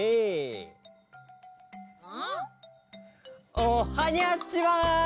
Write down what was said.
おっはにゃっちは！